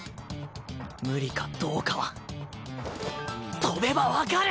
無理かどうかは飛べば分かる！